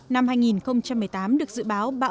năm hai nghìn một mươi tám được dự báo bão